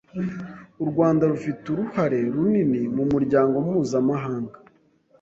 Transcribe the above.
U Rwanda rufite uruhare runini mumuryango mpuzamahanga.